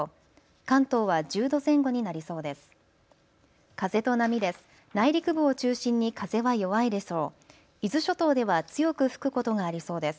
関東は１０度前後になりそうです。